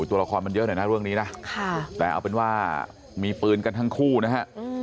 ตัวละครมันเยอะหน่อยนะเรื่องนี้นะแต่เอาเป็นว่ามีปืนกันทั้งคู่นะฮะ